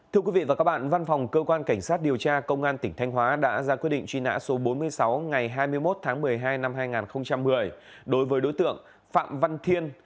thưa quý vị và các bạn văn phòng cơ quan cảnh sát điều tra công an tỉnh thanh hóa đã ra quyết định truy nã số bốn mươi sáu ngày hai mươi một tháng một mươi hai năm hai nghìn một mươi đối với đối tượng phạm văn thiên